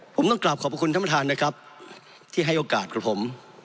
ผมต้องกลับขอบคุณท่านประธานนะครับที่ให้โอกาสกับผม